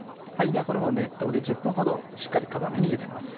このまま熱湯で１０分ほどしっかり固めにゆでます。